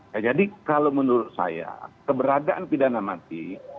ya jadi kalau menurut saya keberadaan pidana mati